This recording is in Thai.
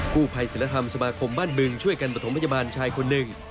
ผู้ภัยศิลธรรมสมาคมบ้านบึงช่วยกันประถมพยาบาลชายคนหนึ่ง